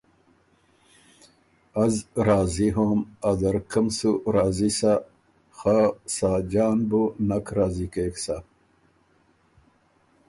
از راضی هوم، ا ځرکۀ م سُو راضی سۀ خه سۀ ساجان بُو نک راضی کېک سۀ۔